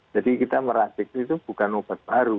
jadi kita meratik itu bukan obat baru